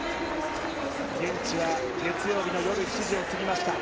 現地は月曜日の夜７時を過ぎました、